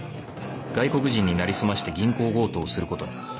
外国人になりすまして銀行強盗をすることに